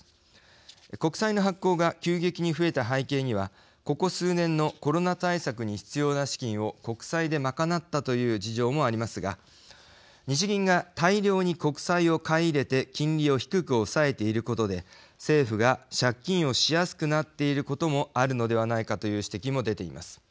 国債の発行が急激に増えた背景にはここ数年のコロナ対策に必要な資金を国債で賄ったという事情もありますが日銀が大量に国債を買い入れて金利を低く抑えていることで政府が借金をしやすくなっていることもあるのではないかという指摘も出ています。